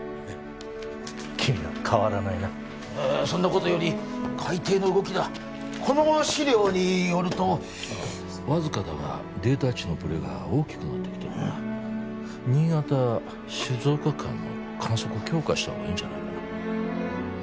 君は変わらないなそんなことより海底の動きだこの資料によるとわずかだがデータ値のブレが大きくなってきてるな新潟静岡間の観測を強化したほうがいいんじゃないかな